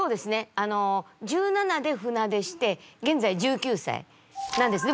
あの１７で船出してげんざい１９歳なんですね。